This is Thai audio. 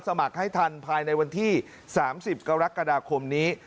สมัครให้ทันภายในวันที่๓๐กรกฎาคมนี้